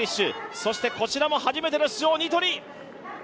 そしてこちらも初めての出場、ニトリ。